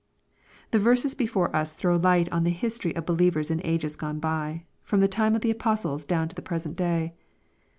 The verses before us throw light on the history of be lievers in ages gone by, from the time of the apostles down to the present day.